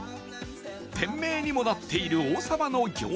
店名にもなっている王さまの餃子